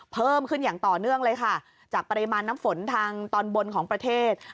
เพิ่มขึ้นอย่างต่อเนื่องเลยค่ะจากปริมาณน้ำฝนทางตอนบนของประเทศ